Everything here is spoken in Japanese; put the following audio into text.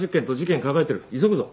急ぐぞ。